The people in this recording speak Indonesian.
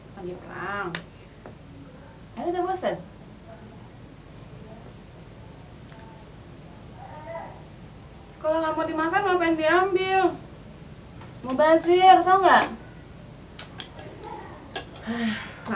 kalau gak mau dimakan mau pengen diambil mau bazir tau nggak